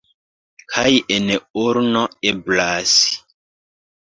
Kaj en urno eblas!